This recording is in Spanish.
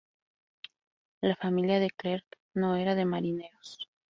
La familia de Clerk no era de marineros.